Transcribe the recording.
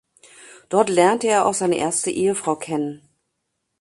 Dort lernte er auch seine erste Ehefrau kennen.